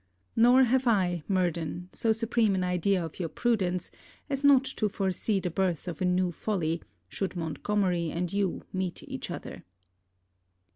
Nor have I, Murden, so supreme an idea of your prudence, as not to foresee the birth of a new folly, should Montgomery and you meet each other.